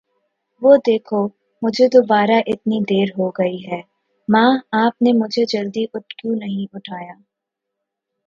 وه دیکھو. مجهے دوباره اتنی دیر ہو گئی ہے! ماں، آپ نے مجھے جلدی کیوں نہیں اٹھایا!